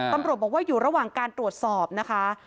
ตำรวจบอกว่าอยู่ระหว่างการตรวจสอบนะคะ